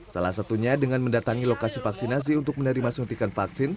salah satunya dengan mendatangi lokasi vaksinasi untuk menerima suntikan vaksin